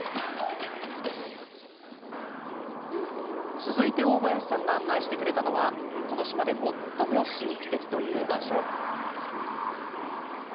続いて大林さんが案内してくれたのはこの島で最も神秘的という場所。